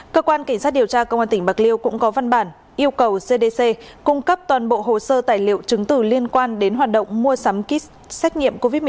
cơ quan cảnh sát điều tra công an tỉnh bạc liêu cũng có văn bản yêu cầu cdc cung cấp toàn bộ hồ sơ tài liệu chứng từ liên quan đến hoạt động mua sắm kit xét nghiệm covid một mươi chín